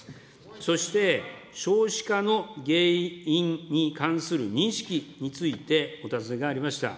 そして、少子化の原因に関する認識についてお尋ねがありました。